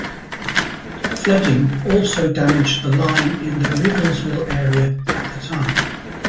Flooding also damaged the line in the Riegelsville area at the time.